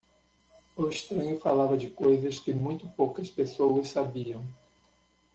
O estranho falava de coisas que muito poucas pessoas sabiam.